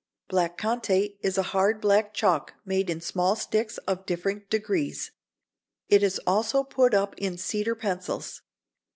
] Black Conté is a hard black chalk made in small sticks of different degrees. It is also put up in cedar pencils.